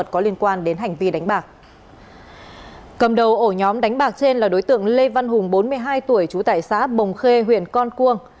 cầm đầu ổ nhóm đánh bạc trên là đối tượng lê văn hùng bốn mươi hai tuổi trú tại xã bồng khê huyện con cuông